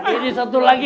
ini satu lagi